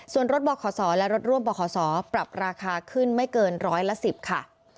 ส่วนรถบขศและรถร่วมบขศปรับราคาขึ้นไม่เกินร้อยละ๑๐ค่ะ